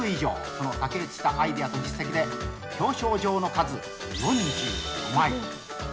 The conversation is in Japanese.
その卓越したアイデアと実績で表彰状の数４５枚。